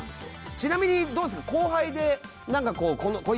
ちなみにどうですか？